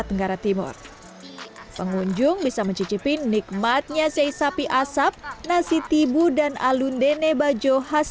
tenggara timur pengunjung bisa mencicipi nikmatnya sei sapi asap nasi tibu dan alun dene baju khas